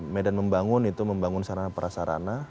medan membangun itu membangun sarana prasarana